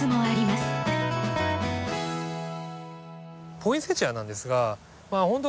ポインセチアなんですがほんと